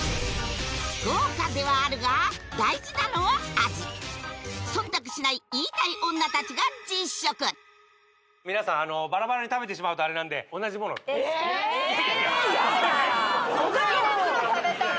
豪華ではあるが大事なのは味忖度しない言いたい女達が実食皆さんバラバラに食べてしまうとあれなんでやだー！